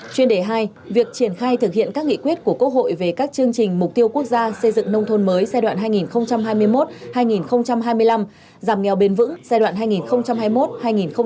chuyên đề hai việc triển khai thực hiện các nghị quyết của quốc hội về các chương trình mục tiêu quốc gia xây dựng nông thôn mới giai đoạn hai nghìn hai mươi một hai nghìn hai mươi năm giảm nghèo bền vững giai đoạn hai nghìn hai mươi một hai nghìn ba mươi